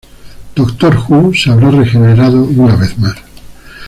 Doctor Who se habrá regenerado una vez más".